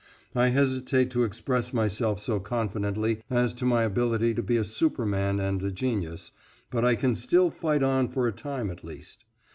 I hesitate to express myself so confidently as to my ability to be a superman and a genius, but I can still fight on for a time at least.